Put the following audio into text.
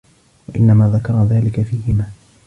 وَإِنَّمَا ذَكَرَ ذَلِكَ فِيهِمَا